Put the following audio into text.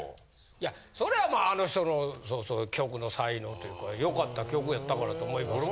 いやそれはもうあの人の曲の才能というかよかった曲やったからと思いますけど。